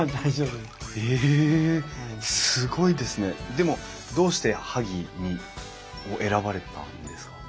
でもどうして萩を選ばれたんですか？